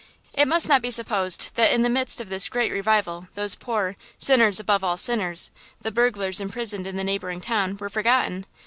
It must not be supposed that in the midst of this great revival those poor "sinners above all sinners," the burglars imprisoned in the neighboring town, were forgotten!